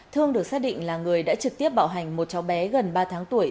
thương được xác định là người đã trực tiếp bạo hành một cháu bé gần ba tháng tuổi